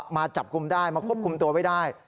มาจับกลุ่มได้มาควบคุมตัวไว้ได้